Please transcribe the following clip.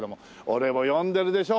俺も読んでるでしょ？